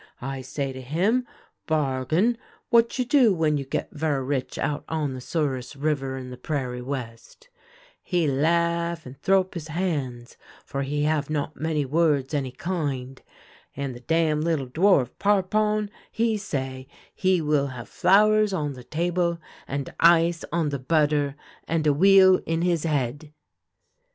I say to him :' Bargon, what you do when you get ver' rich out on the Souris River in the prairie west ?' He laugh and throw up his hands, for he have not many words any kind. And the damn little dwarf Parpon, he say: ' He will have flowers on the table and ice on the butter, and a wheel in his head.'